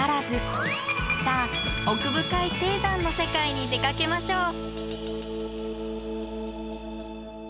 さあ奥深い低山の世界に出かけましょう。